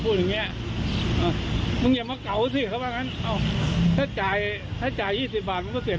คือขึ้นรถแล้วขับรถออกมาเลย